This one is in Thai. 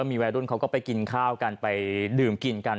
มีวัยรุ่นเขาก็ไปกินข้าวกันไปดื่มกินกัน